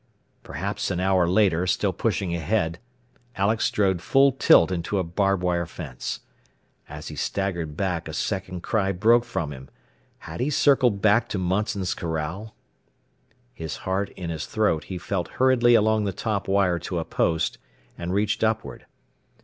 Perhaps an hour later, still pushing ahead, Alex strode full tilt into a barb wire fence. As he staggered back a second cry broke from him. Had he circled back to Munson's corral? His heart in his throat, he felt hurriedly along the top wire to a post, and reached upward.